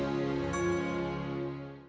jangan lupa untuk berlangganan